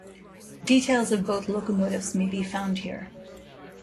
Details of both locomotives may be found here.